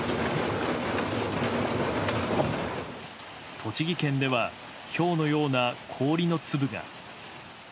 栃木県ではひょうのような氷の粒が。